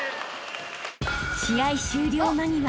［試合終了間際］